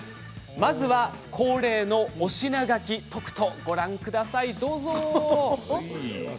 まずは恒例の推し名書きとくとご覧ください、どうぞ。